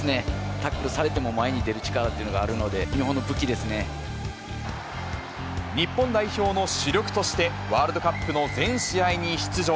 タックルされても前に出る力っていうのがあるので、日本の武器で日本代表の主力として、ワールドカップの全試合に出場。